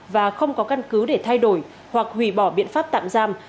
và không có căn cứ để thay đổi hoặc hủy bỏ biện pháp tạm giam